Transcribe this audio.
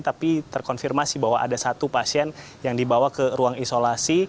tapi terkonfirmasi bahwa ada satu pasien yang dibawa ke ruang isolasi